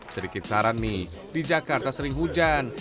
sedikit saran nih di jakarta sering hujan